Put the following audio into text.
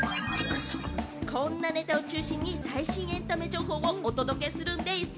こんなネタを中心に最新エンタメ情報をお届けするんです。